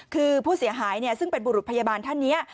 คือผู้เสียหายซึ่งเป็นบุรุษพยาบาลท่านนี้